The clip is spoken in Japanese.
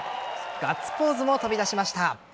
ガッツポーズも飛び出しました。